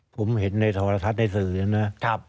ผมเห็นในโทรทัศน์ในสื่อนะ